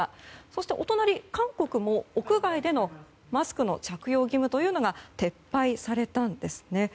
そしてお隣、韓国も屋外でのマスクの着用義務というのが撤廃されたんです。